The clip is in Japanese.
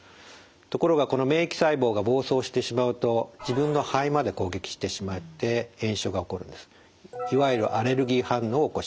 ところがこの免疫細胞が暴走してしまうと自分の肺まで攻撃してしまって炎症が起こるんです。